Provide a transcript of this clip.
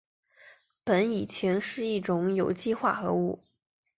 苯乙腈是一种有机化合物。